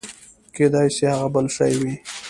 کېداى سي هغه بل شى وي.